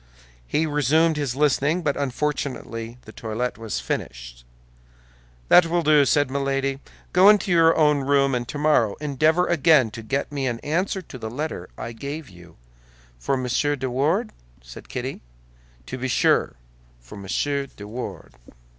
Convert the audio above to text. He resumed his listening, but unfortunately the toilet was finished. "That will do," said Milady; "go into your own room, and tomorrow endeavor again to get me an answer to the letter I gave you." "For Monsieur de Wardes?" said Kitty. "To be sure; for Monsieur de Wardes."